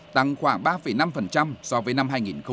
tăng khoảng ba năm so với năm hai nghìn một mươi bảy